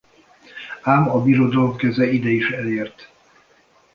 Ám a Birodalom keze ide is elért.